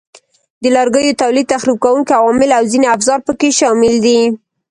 د لرګیو تولید، تخریب کوونکي عوامل او ځینې افزار پکې شامل دي.